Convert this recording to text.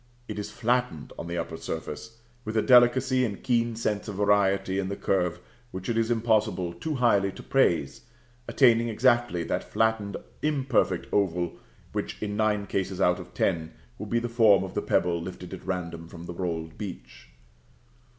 It is flattened on the upper surface, with a delicacy and keen sense of variety in the curve which it is impossible too highly to praise, attaining exactly that flattened, imperfect oval, which, in nine cases out of ten, will be the form of the pebble lifted at random from the rolled beach.